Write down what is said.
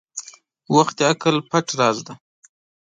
• وخت د عقل پټ راز دی.